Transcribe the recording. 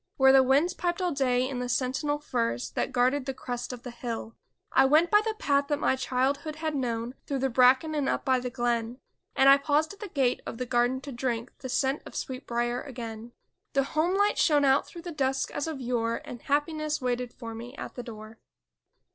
Where the winds piped all day in the sentinel firs That guarded the crest of the hill ; I went by the path that my childhood had known Through the bracken and up by the glen. And I paused at the gate of the garden to drink The scent of sweet briar again ; The homelight shone out through the dusk as of yore And happiness waited for me at the door!